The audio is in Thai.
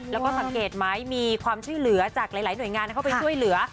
แล้วก็สังเกตไหมมีความช่วยเหลือจากหลายหน่วยงานเข้าไปช่วยเหลือ